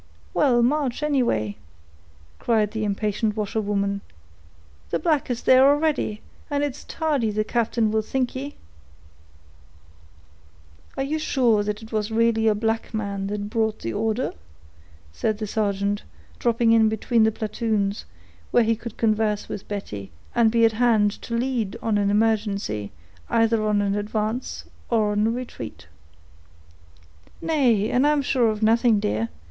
"Well, march, anyway," cried the impatient washerwoman. "The black is there already, and it's tardy the captain will think ye." "Are you sure that it was really a black man that brought the order?" said the sergeant, dropping in between the platoons, where he could converse with Betty, and be at hand, to lead on an emergency, either on an advance or on a retreat. "Nay—and I'm sure of nothing, dear.